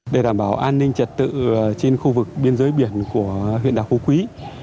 để đảm bảo an ninh trật tự trên khu vực biên giới biển của huyện đảo phú quý